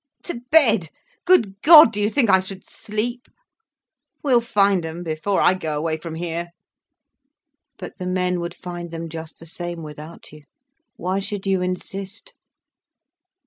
"To bed! Good God, do you think I should sleep? We'll find 'em, before I go away from here." "But the men would find them just the same without you—why should you insist?"